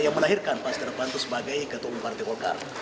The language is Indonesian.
yang melahirkan pak stiano vanto sebagai ketua umum partai golkar